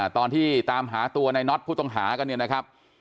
ตามหาตัวในน็อตผู้ต้องหากันเนี่ยนะครับ